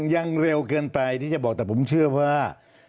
ยังเร็วเกินไปที่จะบอกแต่ผมเชื่อว่า